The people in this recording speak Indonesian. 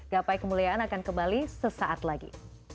gapai kemuliaan akan kembali sesaat lagi